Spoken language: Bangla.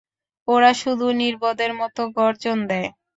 ওরা শুধু নির্বোধের মতো গর্জন দেয়।